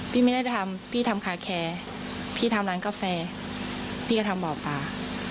พี่ทำคาร์แคร์พี่ทำร้านกาแฟพี่ก็ทำบ่อปลา